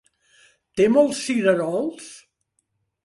Té molts cirerols?